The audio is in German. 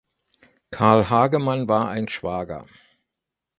Carl Hagemann war ein Schwager.